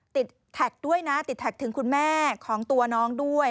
ติดแท็กด้วยนะติดแท็กถึงคุณแม่ของตัวน้องด้วย